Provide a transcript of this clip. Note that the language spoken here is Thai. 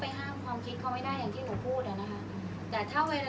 อันไหนที่มันไม่จริงแล้วอาจารย์อยากพูด